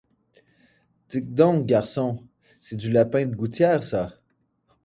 Dites donc, garçon, c'est du lapin de gouttière, ça.